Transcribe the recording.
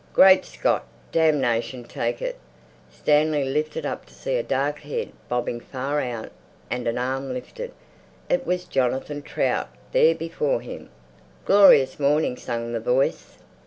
Great Scott! Damnation take it! Stanley lifted up to see a dark head bobbing far out and an arm lifted. It was Jonathan Trout—there before him! "Glorious morning!" sang the voice.